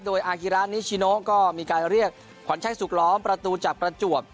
โดยอาฮิระนิชิโนก็มีการเรียกขวัญชัยสุขล้อมประตูจากประจวบ